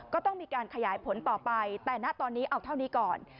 ก็ต้องมีการขยายผลต่อไปแต่ณตอนนี้เอาเท่านี้ก่อน